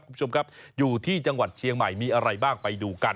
คุณผู้ชมครับอยู่ที่จังหวัดเชียงใหม่มีอะไรบ้างไปดูกัน